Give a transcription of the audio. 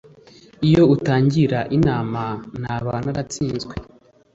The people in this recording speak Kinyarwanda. Iyo utagira inama, naba naratsinzwe.